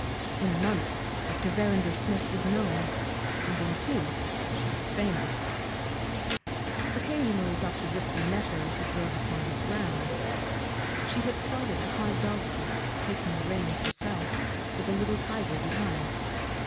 In a month Dr. Verrinder Smith was known, and in two she was famous. Occasionally, Dr. Ripley met her as he drove upon his rounds. She had started a high dogcart, taking the reins herself, with a little tiger behind.